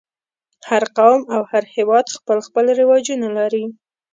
هر قوم او هر هېواد خپل خپل رواجونه لري.